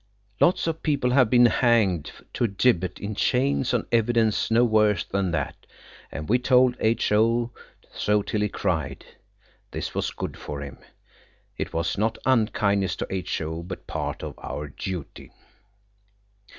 Lots of people have been hanged to a gibbet in chains on evidence no worse than that, and we told H.O. so till he cried. This was good for him. It was not unkindness to H.O., but part of our duty.